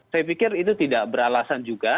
saya pikir itu tidak beralasan juga